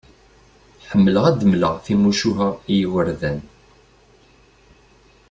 Ḥemmleɣ ad d-mleɣ timucuha i yigerdan